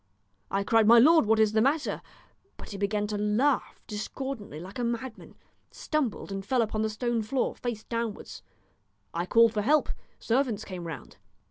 I cried, 'My lord, what is the matter?' but he began to laugh discordantly like a madman, stumbled, and fell upon the stone floor, face downwards. I called for help; servants came round.